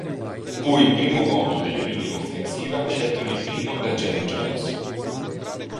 Fu il primo uomo della linea offensiva scelto nel primo da Jerry Jones.